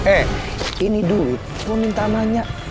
eh ini duit lu minta amanya